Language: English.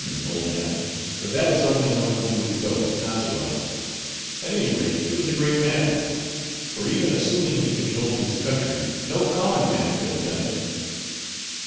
"Your pardon, old man, but that is only known to his ghost, not to us. At any rate he was a great man; for even assuming he cajoled his country, no common man could have done it."